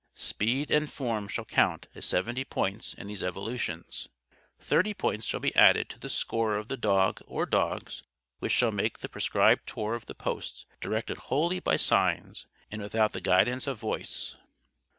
"Speed and form shall count as seventy points in these evolutions. Thirty points shall be added to the score of the dog or dogs which shall make the prescribed tour of the posts directed wholly by signs and without the guidance of voice."